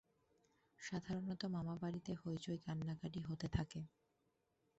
সাধারণত মারা-বাড়িতে হৈচৈ কান্নাকাটি হতে থাকে।